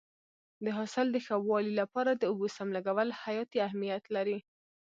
د حاصل د ښه والي لپاره د اوبو سم لګول حیاتي اهمیت لري.